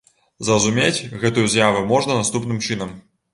Зразумець гэтую з'яву можна наступным чынам.